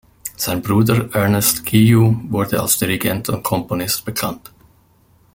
Sein Bruder Ernest Guillou wurde als Dirigent und Komponist bekannt.